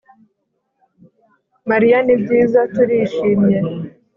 Mariya Ni byiza turishimye